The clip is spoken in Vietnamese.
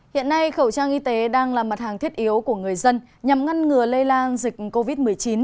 hiện nay khẩu trang y tế đang là mặt hàng thiết yếu của người dân nhằm ngăn ngừa lây lan dịch covid một mươi chín